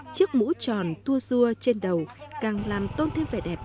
chiếc mũ tròn thua rua trên đầu càng làm tôn thêm vẻ đẹp